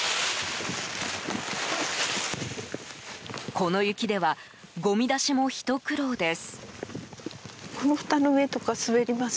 この雪ではごみ出しも、ひと苦労です。